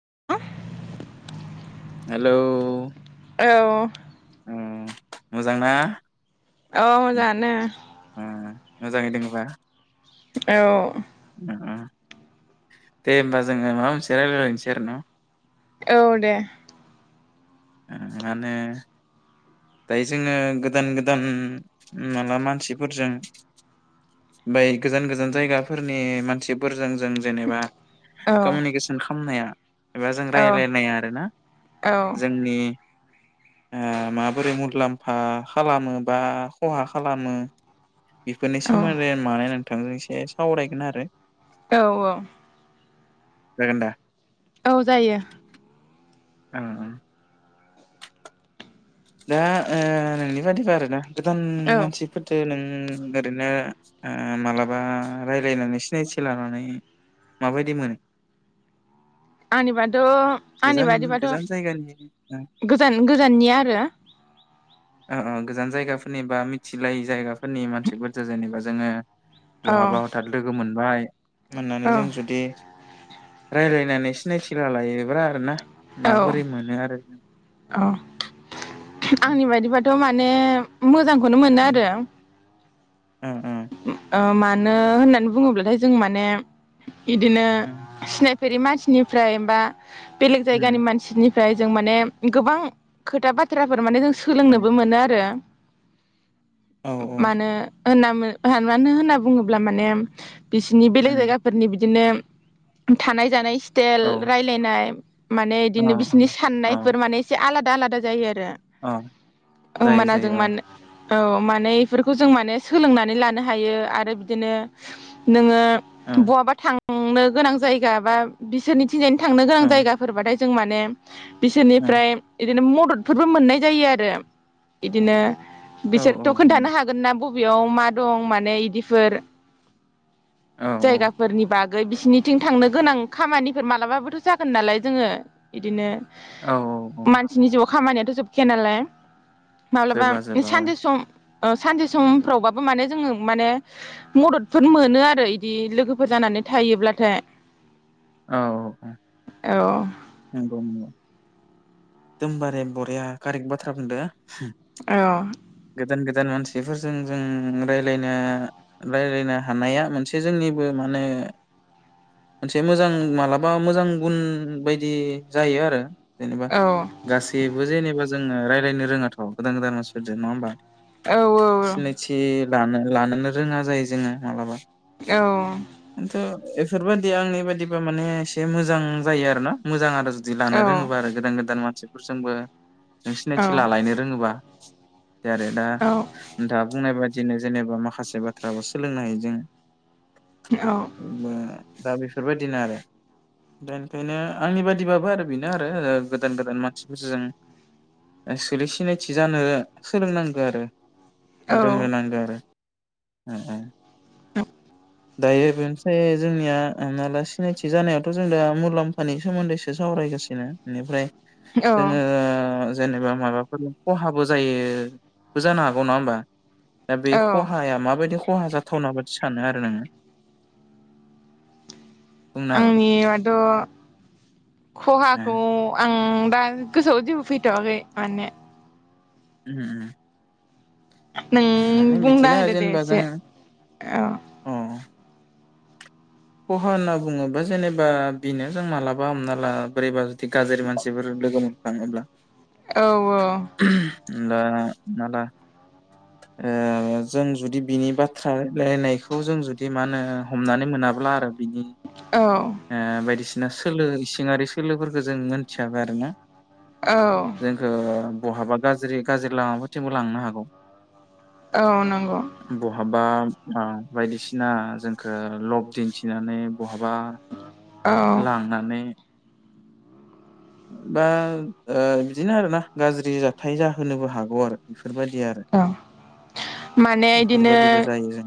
[unintelligible] Hello औ उम मोजांना? औ मोजाङानो उम मोजाङै दङोबा? औ दे होमबा जोङो माबा मोनसे रायलायलायनोसै आरो न'। औ दे। माने दायो जोङो गोदान गोदान माला मानसिफोरजों ओमफ्राय गोजान गोजान जायगाफोरनि मानसिफोर जों जों जेनेबा औ कमिउनिकेसन खालामनाया एबा जों औ राय्लायनाया आरो ना औ [unintelligible] माबोरै मुलाम्फा खालामो बा खहा खालामो? बेफोरनि औ सोमोन्दै माने नोंथांजों एसे सावरायगोन आरो। औ औ जागोन दा? औ जायो। उम उम दा ओ नोंनि बादिबा आरोना गोदान औ मानसिफोरजों नों ओरैनो मालाबा राय्लायनानै सिनायथि लानानै माबायदि मोनो? आंनिबाथ' आंनि गोजान बादिबाथ' गोजान जायगानि ओ गोजान गोजाननिया आरो ओ ओ गोजान जायगाफोरनि बा मिथिलाय जायगाफोरनि मानसिफोरजों जेनेबा जोङो औ बहाबा हथात लोगो मोनबाय औ मोननानै जों जुदि राय्लायनानै सिनायथि लायोब्रा आरो ना। औ माबोरै मोनो आरो? औ आंनि बायदिबाथ' माने मोजांखौनो मोनो आरो ओम अ मानो होननानै बुङोब्लाथाय जों माने बिदिनो सिनाय फेरै मानसिनिफ्राय बा बेलेग जायगानि मानसिनि फ्राय जों माने गोबां खोथा बाथ्राफोर माने जों सोलोंनोबो मोनो आरो ओ ओ मानो होनमो मानो होनना बुङोब्ला माने बिसिनि बेलेग उम जायगाफोरनि बिदिनो थानाय जानाय थेल औ रायलायनाय माने औ बिदिनो बिसिनि उम औ साननायफोर माने एसे आलादा आलादा जायो। रा औ जायो होमबाना जों जायो मानो। औ औ माने एफोरखौ जों माने सोलोंनानै लानो हायो आरो बिदिनो नोङो। औ बहाबा थांनो गोनां जायगा बा बिसोरनि थिंजायनो थांनो औ गोनां जायगाफोर बाथायाय जों माने बिसोरनिफ्राय बिदिनो मददफोरबो मोननाय जायो आरो बिदिनो बिसोरथ' खोन्थानो नंगौ हागोन ना ब बेयाव मा दं माने इदिफोर औ जायगाफोरनि बागै बिसिनिथिं थांनो गोनां खामानिफोर मालाबाबोथ' जागोन नालाय जोङो। बिदिनो औ औ औ। खामानियाथ' जोबखाया नालाय माब्लाबा जोबा जोबा औ सानसे सम ओ सानसे समफ्रावबाबो माने जोङो माने मददफोर मोनो आरो। बि लोगोफोर जानानै थायोब्लाथाय औ औ औ नंगौ नंगौ। एदमबारे बरिया कारेके बाथ्रा बुंदो। औ जाय मानसिफोरजों जों राय्लायनो रायलायनो हानाया मोनसे जोंनिबो माने ओ मोनसे मोजां मालाबा मोजां गुन बायदि जायो आरो जेनेबा औ गासैबो जेनेबा जोङो रायज्लायनो रोङाथ' गोदान गोदान मानसिफोरजों नङा ‌होनोमबा औ सिनायथि लानो लानोनो रोङा जायो जोङो मालाबा औ। बेफोरबायदिया आंनि बायदिबा माने एसे मोजां जायो आरो ना मोजां आरो। गुदि औ लानो रोङोबबा आरो गोदान गोदान मानसिफोरजोंबो जों सिनायथि लालायनो रोङोबा। आरो दा औ नोंथाङा बुंनाय बायदि बिदिनो जेनेबा माखासे बाथ्राबो सोलोंनो हायो जों दा बेफोरबायदिनो आरो। दा ओंखायनो आंनि बादिबाबो आरो बेनो आरो गोदान गोदान मानसिफोर जों एसुली सिनायथि जानो सोलोंनांगौ आरो। औ रोंओनांगो आरो औ औ। [inaudible] दायो बे‌मोनसे जोंनिया होमना ला सिनायथि जानायावथ' जों दा मुलाम्फानि सोमोन्दैसो सावरायगासिनो बेनिफ्राय औ जोङो आं जेनेबा माबाफोर खहाबो जायोबो जानो हागौ नङा होमबा दा बे औ खहाया माबायदि खहा जाथावना बादि सानो आरो नोङो बुंनो हागोन आंनि बाथ' ओ खहाखौ आं ओम दा गोसोआव जेबो फैथ'आखै माने ओ ओ नों बुंना होदो दे जेनेबा जों एसे औ। अ खहा होनना बुङोबा जेनेबा बेनो जों मालाबा हमना ला बोरैबा जुदि गाज्रि मानसिफोर लोगो मोनफ्लाङोब्ला औ औ [unintelligible] जों जुदि बिनि बाथ्रा रायनायखौ जों जुदि मा होनो हमनानै मोनाब्ला आरो बिनि औ ओ बायदिसिना ना सोलो इसिंयारि सोलोफोरखौ जों मोनथियाबा आरोना औ जोंखौ बहाबा गाज्रि गाज्रि लामाबोथिंबो लांनो हागौ औ नंगौ। बा बायदिसिना जोंखौ लब दिन्थिनानै बहाबा औ लांनानै बा ओ बिदिनो आरोना गाज्रि जाथाय जाहोनोबो हागौ आरो। बेफोरबायदि आरो औ माने इदिनो बेफोरबायदिबो जायो जों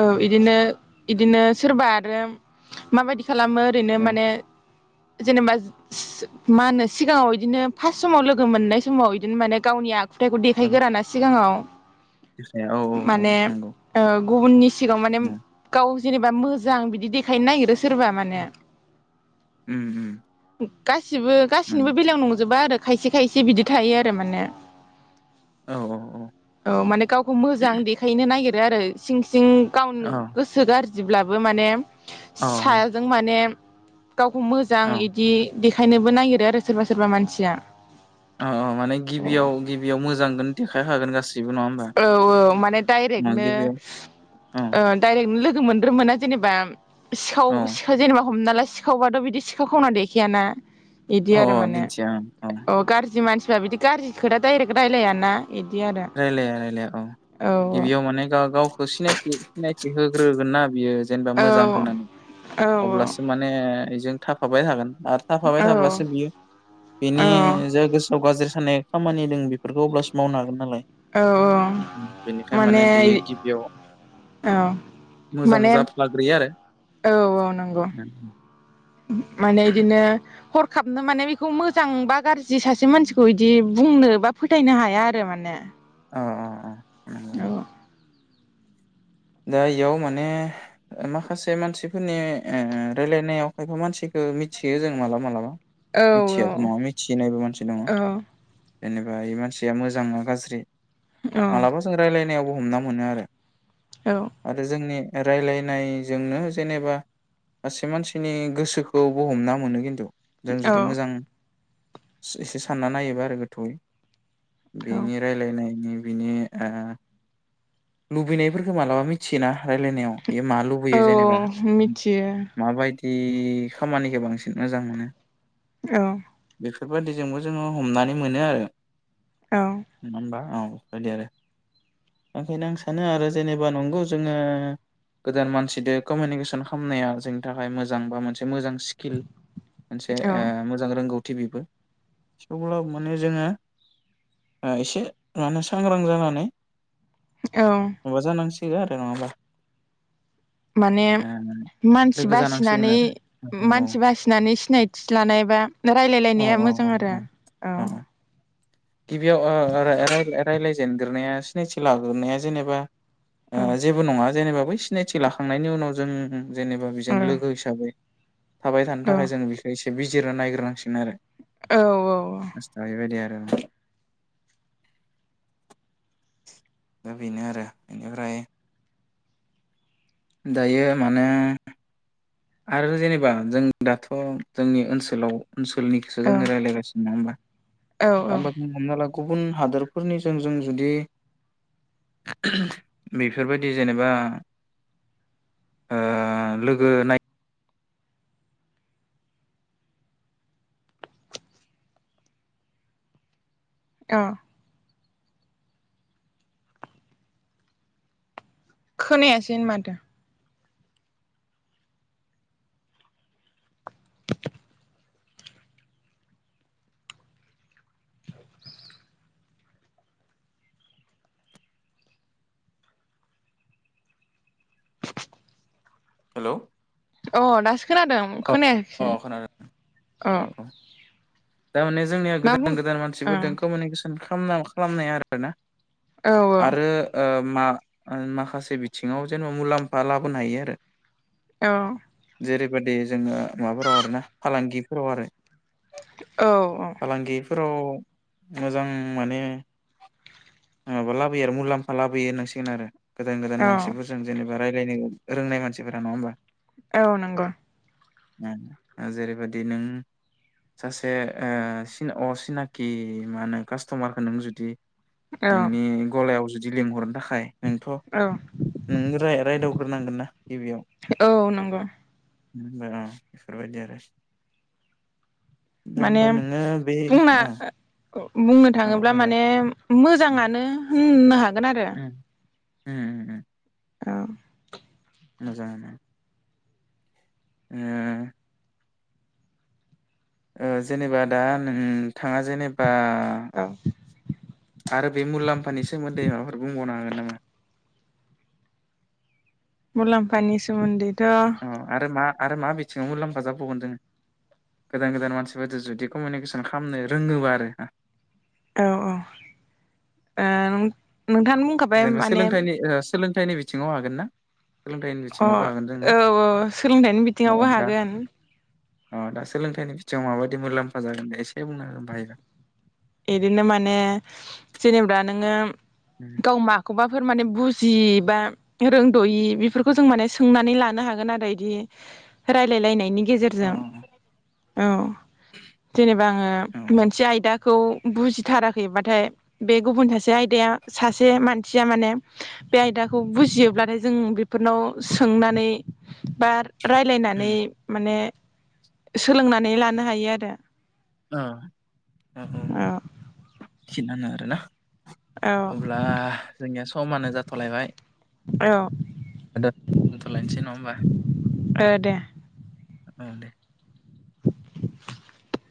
औ इदिनो इदिनो सोरबा आरो माबायदि खालामो ओरैनो औ माने जेनेबा मा होनो सिगाङाव इदिनो फार्स्ट समाव लोगो मोननाय समाव इदिनो माने गावनि आख आखुथाइखौ देखायगोराना सिगाङाव औ औ औ माने नंगौ ओ गुबुननि सिगाङाव माने गाव जेनेबा मोजां बिदि देखायनो नागिरो सोरबा उम माने। उम उम। गासिबो गासिनिबो नंगौ बेलायाव नंजोबा आरो खायसे खायसे बिदि थायो आरो माने। औ औ औ। औ माने गावखौ मोजां देखायनो नागिरो आरो सिं सिं गावनो गोसो गाज्रि। जेब्लाबो माने औ साजों माने गावखौ मोजां औ इदि देखायनोबो नागिरो आरो सोरबा सोरबा मानसिया औ औ माने औ गिबियाव गिबियाव मोजां देखाय हागोन गासिब औ औ माने डाइरेक्टनो गिबियाव औ ओ डाइरेक्टनो लो लोगो मोनद्रोमोना जेनेबा सिखाव औ सिखा जेनेबा हमना ला सिखावबाथ' बिदि सिखाव खावना देखायाना। इदि अ आरो माने दिन्थिया ओं औ अ गाज्रि मानसि बा बिदि गाज्रि खोथा डाइरेक्ट रायलायाना इदि आरो। लाया औ गिबियाव माने गाव गावखौ सिनायथि सिनायथि होग्रोगोन ना बियो। जेनेबा औ मोजां होननानै औ अब्लासो माने गजों थाफाबाय थागोन। आरो थाफाबाय औ थाब्लासो बियो औ बिनि जे गोसोआव गाज्रि साननाय खामानि दों बेफोरखौ अब्लासो मावनो हागोन नालाय। औ बेनिखायनो माने बेयो गिबियाव औ मोजां माने जाफ्लाग्रोयो आरो। औ नंगौ माने बिदिनो हर थाबनो माने बेखौ मोजां बा गाज्रि सासे मानसिखौ इदि बुंनो बा फोथायनो हाया आरो माने। अ नंगौ औ। नंगौ। दा इयाव माने ओ माखासे मानसिफोरनि ओ रायलायनायाव खायफा मानसिखौ ओ मिथियो जों मालाबा मालाबा औ मिथियाबो औ नङा मिथिनायबो मानसि दङ। औ जेनेबा इ मानसिया मोजां ना गाज्रि मालाबा जों रायजलायनायावबो हमना मोनो आरो औ आरो जोंनि रायलायनायजोंनो जेनेबा सासे मानसिनि गोसोखौ बो हमना मोनो खिन्थु। जों औ जुदि मोजां एसे सानना नायोबा आरो गोथौयै। औ बिनि रायलायनायनि बिनि ओ लुबैनायफोरखो मालाबा मिथियोना रायलायनायाव ए मा लुबैयो औ जेनेबा मिथियो माबायदि जि खामानिखौ बांसिन मोजां मोनो। औ। बेफोरबायदिजोंबो जोङो हमनानै मोनो आरो औ नङा होमबा औ। बेफोरबायदि आरो ओंखायनो आं सानो आरो जेनेबा नं खौ जोङो गोदान मानसिदो कमउनिकेसन खालामनाया जोंनि थाखाय मोजां बा मोनसे से मोजां स्किल मोनसे औ ओ मोजां रोंगौ टि बेफोर थेउब्लाबो माने जोङो ओ एसे मानो सांग्रां जानानै औ माबा जानांसिगो आरो नङाबा। माने। ओ मानसि लोगो जानांसिगोन बासिनानै आरो औ मानसि बासिनानै सिनायथि लानायबा रायलाय औ लायनाया मोजां औ आरो औ औ। गिबियाव ओ राय रायलायजेनग्रोनाया सिनायथि लाग्रोनाया जेनोबा औ ओ जेबो नङा। जेनेबा बै सिनायथि लाखांनायनि उनाव जों जेनेबा बेजों लोगो हिसाबै थाबाय थानो औ थाखाय जों बेखौ एसे बिजिरना नायग्रोनांसिगोन आरो। [unintelligible] औ दा बेनो आरो बेनिफ्राय दायो माने आरो जेनेबा जों दाथ' जोंनि ओनसोलाव ओनसोलनि खौसो जोङो रायज्लायगासिनो नङा होमा औ दा हब हमना ला गुबुन हादरफोरनिजों जों जुदि [inaudible] बेफोरबायदि जेनेबा ओ लोगो नाय औ खोनायासै माथो? [inaudible] हेल'? अ दासो खोनादों अ खोनायाखिसै खोनादों अ दामाने जोंनिया मा बुं गोदान गोदान औ मानसिफोरदों कमिउनिकेसन खालामना खालामनाया आरो ना औ आरो ओ मा माखासे बिथिङाव जेनेबा मुलाम्फा लाबोनो हायो आरो। औ। जेरै'बदि जोङो माबाफोराव आर ना फालांगिफोराव आरो। औ औ। फोराव मोजां माने माबा लाबोयो आरो मुलाम्फा लाबोयो नोंसिगोन आरो। गोदान गोदान औ मानसिफोरजों जेनेबा रायज्लायनो रोंनाय मानसिफोरा नङा होमबा। औ नंगौ। ओम जेरै'बायदि नों सासे ओ सि अ सिनाखि मा होनो कास्ट'मारखौ नों जुदि औ नोंनि गलायाव जुदि लिंहरना खाय नोंथ' औ नोंनो राय रायदावग्रोनांगोनना गिबियाव। औ नंगौ। [inaudible] बा [inaudible] दि आरो माने [unintelligible] बुंना औ औ बुंना औ थाङोब्ला बुंलाय माने उम मोजाङानो होनोना। गोन आरो। ओम ओम औ। मोजां ङानो। ओ ओ जेनेबा दा ओ नोथाङा जेनेब बा औ आरो बे मुलाम्फानि सोमोन्दै माबाफोर बुंबावन हांगोन? नोङा मुलाममपानि सोमन्दै आरो मा आरो मा बिथिङाव मुलाम्फा जाबावगोन दोङो गोदान गोदान मानसिफोरजों जुदि कमिउनिकेसन खालामनो रोङोबा आरो। औ औ नोंथां बुंखाबाय जेनेबा माने सोलोंथाइनि ओ सोलोंथाइनि बिथिङाव हागोन ना? सोलोंथाइनि अ बिथिङावबो हागोन जोंनाव औ औ सोलोंथाइनि नङा बिथिङावबो दा हागोन। अ दा सोलोंथाइनि बिथिङाव माबायदि मुलाम्फा जागोन द एसे बुंन हागोन बाहायबा बिदिनो माने जेनेबा नोङो अ गाव माखौबाफोर माने बुजि जि बा रोंद'यि बेफोरखौ जों माने सोंनानै लानो हागोन आरो बिदि रायलायलायनायनि। अ गेजेरजों औ जेनेबा आङो मोनसे आयदा खौ बुजिथाराखैबाथाय बे गुबुन सासे आयदाया सासे मानसिया माने बे आयदाखौ बुजियोब्लानो जों बेफोरनाव सोंनानै बा राय्लायनानै उम माने सोलोंनानै लानो हायो आरो औ थागानो आरो ना औ अब्ला जोंनिया समानो जाथ'लायबाय औ दोनथ'लायनोसै नङा होमबा ओ दे औ दे। [inaudible]